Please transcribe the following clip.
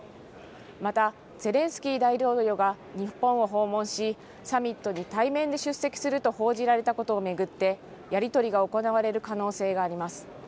またゼレンスキー大統領が日本を訪問しサミットに対面で出席すると報じられたことを巡ってやり取りが行われる可能性があります。